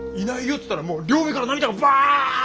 っつったらもう両目から涙がブワって。